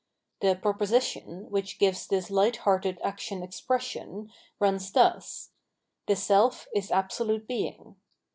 The proposition, which gives this hght hearted action expression, runs thus :" The Self is Absolute Being."